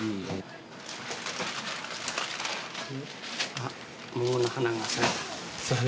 あっ桃の花が咲いた。